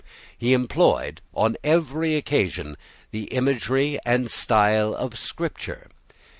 He employed, on every occasion, the imagery and style of Scripture.